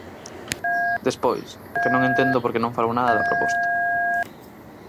Despois, é que non entendo porque non falou nada da proposta.